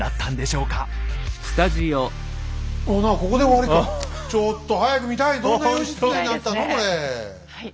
ちょっと早く見たい。